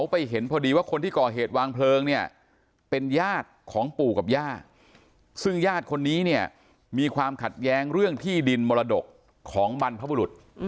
เป็นญาติของปู่กับย่าซึ่งญาติคนนี้เนี่ยมีความขัดแย้งเรื่องที่ดินมรดกของบรรพบุรุษ